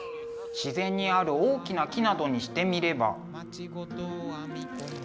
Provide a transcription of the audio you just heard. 自然にある大きな木などにしてみれば。